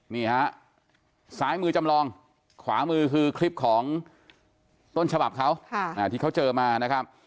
นี่ฮะซ้ายมือจำลองขวามือคือคลิปของต้นฉบับเขาที่เขาเจอมานะครับ